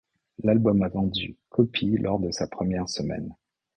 L'album a vendu copies lors de sa première semaine.